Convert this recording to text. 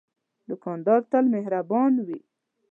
دوکاندار تل مهربان وي.